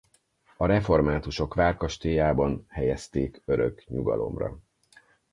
A reformátusok várkastélyában helyezték örök nyugalomra.